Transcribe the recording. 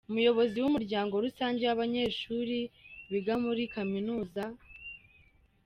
Umuyobozi w’umuryango rusange w’abanyeshuri biga muri iyi kaminuza, B.